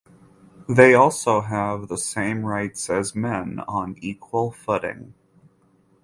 They also have the same rights as men on equal footing.